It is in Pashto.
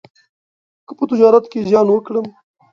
که په تجارت کې زیان وکړم،